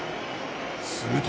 すると。